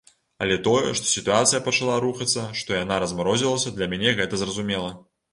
Але тое, што сітуацыя пачала рухацца, што яна размарозілася, для мяне гэта зразумела.